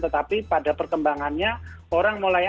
tetapi pada perkembangannya orang mulai